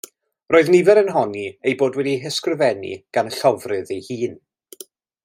Roedd nifer yn honni eu bod wedi eu hysgrifennu gan y llofrudd ei hun.